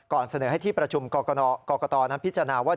เสนอให้ที่ประชุมกรกตนั้นพิจารณาว่า